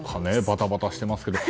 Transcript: バタバタしていますけど。